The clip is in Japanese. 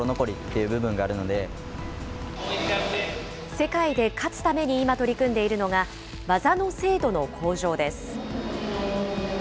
世界で勝つために今取り組んでいるのが、技の精度の向上です。